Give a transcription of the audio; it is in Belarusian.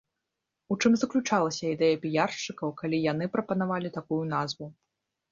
У чым заключалася ідэя піяршчыкаў, калі яны прапанавалі такую назву?